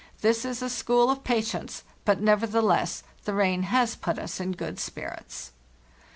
This is a school of patience; but neverthe less the rain has put us in good spirits.